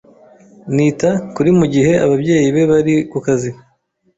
Nita kuri mugihe ababyeyi be bari kukazi.